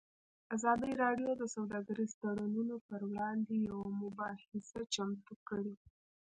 ازادي راډیو د سوداګریز تړونونه پر وړاندې یوه مباحثه چمتو کړې.